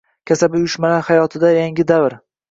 Kasaba uyushmalari hayotida yangi davr